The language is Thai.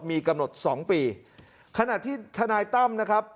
มีกำหนดสองปีขณะที่ทนายตั้มนะครับ